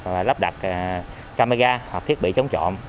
và lắp đặt camera hoặc thiết bị chống trộm